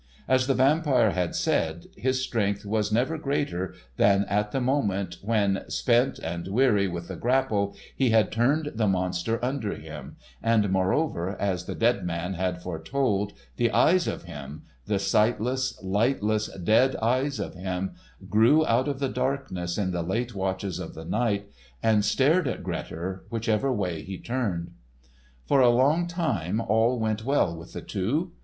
As the Vampire had said, his strength was never greater than at the moment when, spent and weary with the grapple, he had turned the monster under him; and, moreover, as the dead man had foretold, the eyes of him—the sightless, lightless dead eyes of him—grew out of the darkness in the late watches of the night, and stared at Grettir whichever way he turned. For a long time all went well with the two.